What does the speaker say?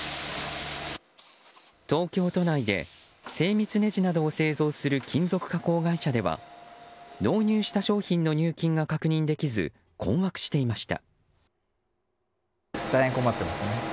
東京都内で精密ネジなどを製造する金属加工会社では納入した商品の入金が確認できず困惑していました。